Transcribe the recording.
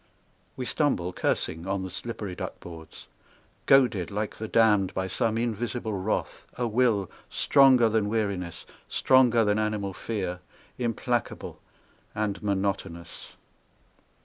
We stumble, cursing, on the slippery duck boards. Goaded like the damned by some invisible wrath, A will stronger than weariness, stronger than animal fear, Implacable and monotonous.